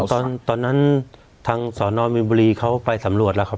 ตอนนั้นทางสอนอมมินบุรีเขาไปสำรวจแล้วครับ